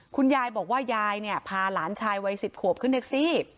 คุณยายบอกว่ายายเนี่ยพาหลานชายวัย๑๐ขวบขึ้นแท็กซี่